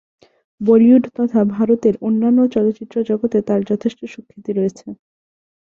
বলিউড তথা ভারতের অন্যান্য চলচ্চিত্র জগতে তার যথেষ্ট সুখ্যাতি রয়েছে।